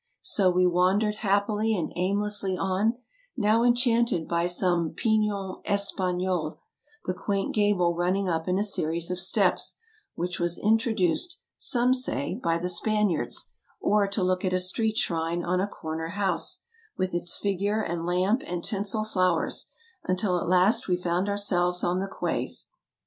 So we wandered happily and aim lessly on, now enchanted by some pignon espagnol, the quaint gable running up in a series of steps, which was in troduced, some say, by the Spaniards, now stopping to scribble down the details of a bit of costume, or to look at a street shrine on a corner house, with its figure and lamp and tinsel flowers, until at last we found ourselves on the quays.